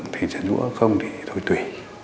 thì giản rũa không thì thôi tùy